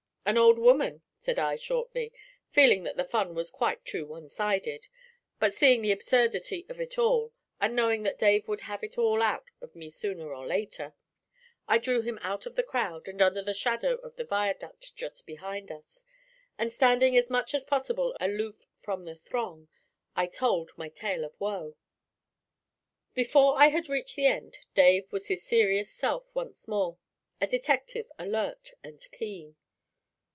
'An old woman,' said I shortly, feeling that the fun was quite too one sided. But seeing the absurdity of it all, and knowing that Dave would have it all out of me sooner or later, I drew him out of the crowd, and under the shadow of the viaduct just behind us, and standing as much as possible aloof from the throng, I told my 'tale of woe.' Before I had reached the end Dave was his serious self once more a detective alert and keen.